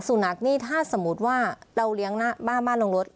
สุนัขนี่ถ้าสมมุติว่าเราเลี้ยงหน้าบ้านลงรถ